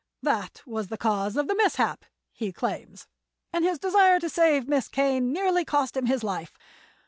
That was the cause of his mishap, he claims, and his desire to save Miss Kane nearly cost him his life.